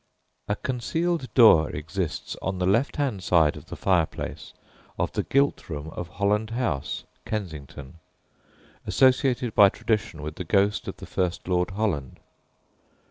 A concealed door exists on the left hand side of the fireplace of the gilt room of Holland House, Kensington, associated by tradition with the ghost of the first Lord Holland.